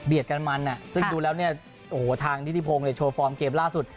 กันมันซึ่งดูแล้วเนี่ยโอ้โหทางนิติพงศ์เนี่ยโชว์ฟอร์มเกมล่าสุด